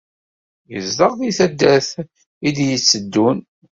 Yezdeɣ deg taddart ay d-yetteddun.